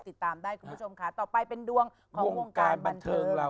ติดตามได้คุณผู้ชมค่ะต่อไปเป็นดวงของวงการบันเทิง